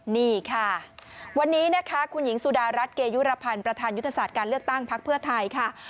นี่ค่ะวันนี้นะคะคุณหญิงสุดารัฐเกยุรพันธ์ประธานยุทธศาสตร์การเลือกตั้งพักเพื่อไทยค่ะ